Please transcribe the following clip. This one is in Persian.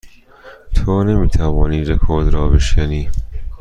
تو نمی توانی این رکورد را بشکنی.